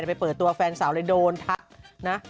ไปเปิดตัวแฟนสาวเลยโดนทักนะ